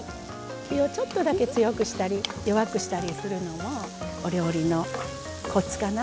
火をちょっとだけ強くしたり弱くしたりするのもお料理のコツかな。